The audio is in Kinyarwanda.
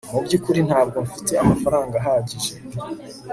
mu byukuri ntabwo mfite amafaranga ahagije